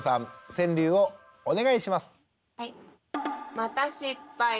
川柳をお願いします。